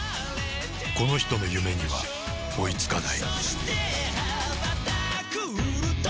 この人の夢には追いつかない